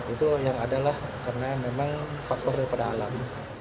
itu yang adalah karena memang faktor daripada alam